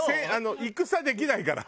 戦できないから。